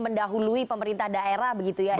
mendahului pemerintah daerah begitu ya